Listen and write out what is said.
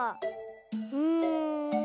うん。